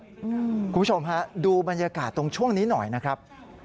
คุณผู้ชมฮะดูบรรยากาศตรงช่วงนี้หน่อยนะครับ